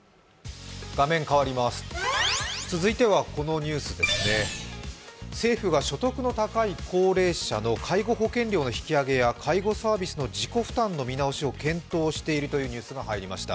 続いては、政府が所得の高い高齢者の介護保険料の引き上げや介護サービスの自己負担の見直しを検討しているという話が出ました。